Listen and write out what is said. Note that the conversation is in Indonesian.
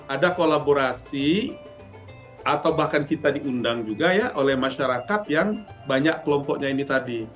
ada kolaborasi atau bahkan kita diundang juga ya oleh masyarakat yang banyak kelompoknya ini tadi